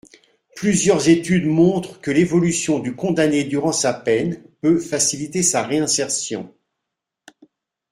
Plusieurs études montrent que l’évolution du condamné durant sa peine peut faciliter sa réinsertion.